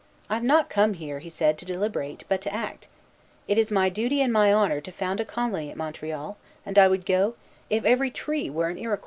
"I have not come here," he said, "to deliberate, but to act. It is my duty and my honor to found a colony at Montreal; and I would go, if every tree were an Iroquois!"